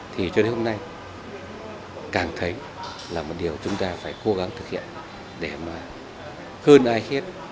thì cho đến hôm nay càng thấy là một điều chúng ta phải cố gắng thực hiện để mà hơn ai hết